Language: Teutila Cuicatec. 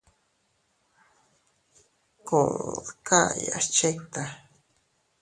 Kuu dkayas chikta.